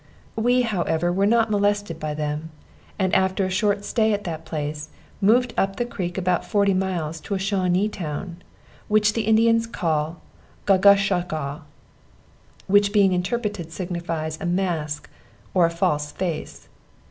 We, however, were not molested by them, and after a short stay at that place, moved up the creek about forty miles to a Shawnee town, which the Indians called Gaw gush shaw ga, (which being interpreted signifies a mask or a false face.)